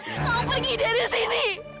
kamu pergi dari sini